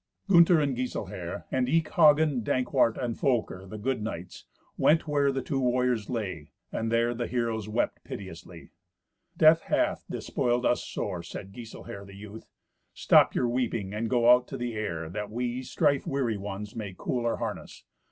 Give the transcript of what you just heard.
Gunther and Giselher, and eke Hagen, Dankwart and Folker, the good knights, went where the two warriors lay, and there the heroes wept piteously. "Death hath despoiled us sore," said Giselher the youth. "Stop your weeping, and go out to the air, that we strife weary ones may cool our harness.